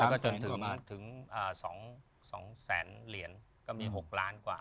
ก็คือ๓แสนถึง๒แสนเหรียญก็มี๖ล้านกว่า